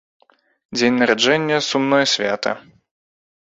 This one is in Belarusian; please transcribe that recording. Дзень нараджэння, сумнае свята!